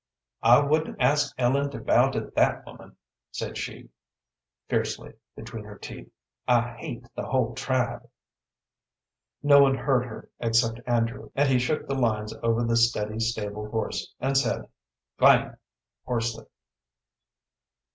"I wouldn't ask Ellen to bow to that woman," said she, fiercely, between her teeth. "I hate the whole tribe." No one heard her except Andrew, and he shook the lines over the steady stable horse, and said, "G'lang!" hoarsely.